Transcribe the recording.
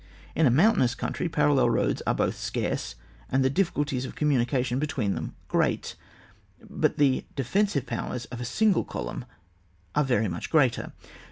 — In a mountainous country parallel roads are both scarce, and the difficulties of communication between them great ; but the defensive powers of a single column are very much greater.